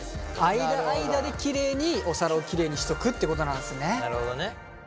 間間でキレイにお皿をキレイにしとくっていうことなんですね。